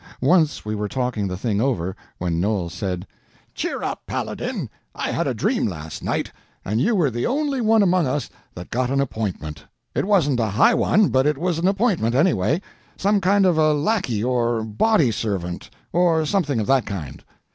Once we were talking the thing over, when Noel said: "Cheer up, Paladin, I had a dream last night, and you were the only one among us that got an appointment. It wasn't a high one, but it was an appointment, anyway—some kind of a lackey or body servant, or something of that kind."